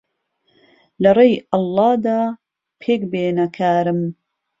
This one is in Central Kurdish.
لهڕێی ئهڵڵا دا پێکبێنه کارم